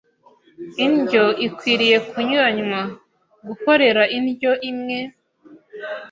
Indyo ikwiriye kunyuranywa. Guhorera indyo imwe,